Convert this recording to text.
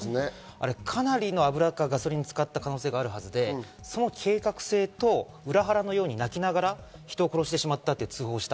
かなりの油かガソリンを使った可能性があるはずで、その計画性と裏腹のように泣きながら人を殺してしまったと通報した。